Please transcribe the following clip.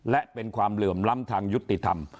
และเป็นความเหลื่อมล้ำทางยุติธรรม